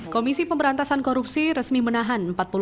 komisi pemberantasan korupsi resmi menahan